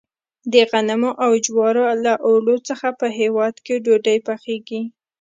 د غنمو او جوارو له اوړو څخه په هیواد کې ډوډۍ پخیږي.